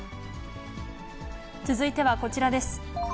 続いてはこちらです。